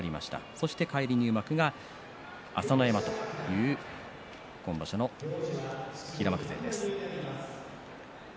そして返り入幕が朝乃山という今場所の平幕勢です。